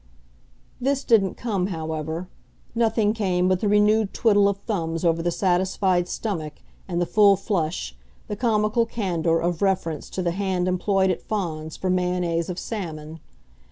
This didn't come, however; nothing came but the renewed twiddle of thumbs over the satisfied stomach and the full flush, the comical candour, of reference to the hand employed at Fawns for mayonnaise of salmon.